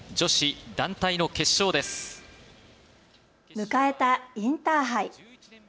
迎えたインターハイ。